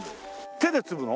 手で摘むの？